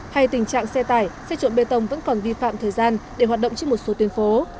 hay tình trạng xe tải xe trộn bê tông vẫn còn vi phạm thời gian để hoạt động trên một số tuyên phố